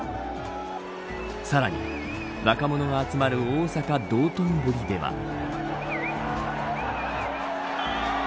さらに若者が集まる大阪、道頓堀では。